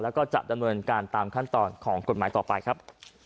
แล้วก็จะดำเนินการตามขั้นตอนของกฎหมายต่อไปครับ